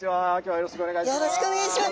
よろしくお願いします。